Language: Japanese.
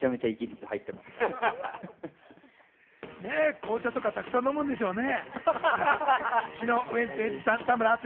紅茶とかたくさん飲むんでしょうね。